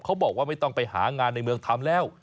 เขาบอกว่าไม่ต้องไปหางานในเมืองทำแล้ว